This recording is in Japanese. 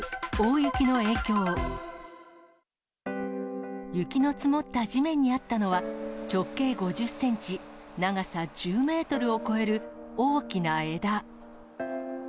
雪の積もった地面にあったのは、直径５０センチ、長さ１０メートルを超える大きな枝。